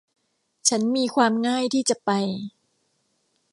ฉันมีความง่ายที่จะไป